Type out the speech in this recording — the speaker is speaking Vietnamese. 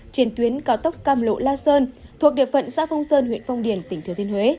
trên tuyến cao tốc cam lộ la sơn thuộc địa phận xã phong sơn huyện phong điền tỉnh thừa thiên huế